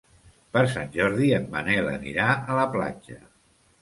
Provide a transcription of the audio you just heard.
Per Sant Jordi en Manel anirà a la platja.